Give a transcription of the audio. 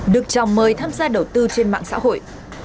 được chào mời tham gia đầu tư trên mạng xã hội